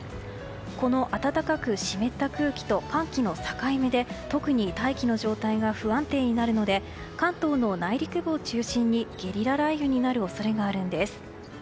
この暖かく湿った空気と寒気の境目で特に大気の状態が不安定になるので関東の内陸部を中心にゲリラ雷雨になる恐れがあるんです。